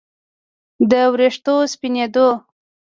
د ویښتو سپینېدو